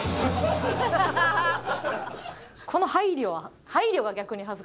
この配慮は。